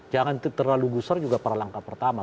jangan terlalu besar juga pada langkah pertama